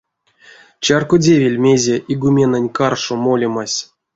Чарькодевель, мезе игуменэнь каршо молемась.